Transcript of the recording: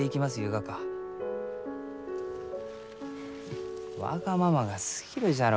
わがままがすぎるじゃろう。